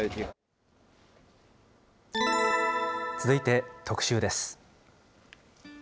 続いて、特集です。